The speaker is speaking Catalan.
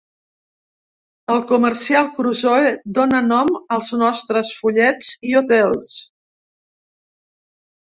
El comercial Crusoe dóna nom als nostres fullets i hotels.